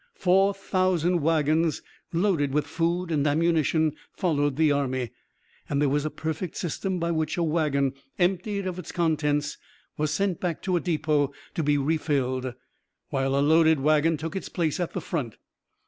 Four thousand wagons loaded with food and ammunition followed the army, and there was a perfect system by which a wagon emptied of its contents was sent back to a depot to be refilled, while a loaded wagon took its place at the front.